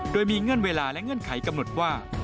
โดยมีเงื่อนเวลาและเงื่อนไขกำหนดว่า